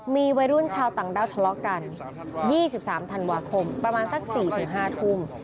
มีวัยรุ่นชาวต่างด้าวทะเลาะกัน๒๓ธันวาคมประมาณสัก๔๕ทุ่ม